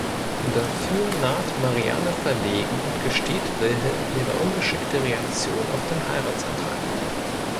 Dafür naht Marianne verlegen und gesteht Wilhelm ihre ungeschickte Reaktion auf den Heiratsantrag.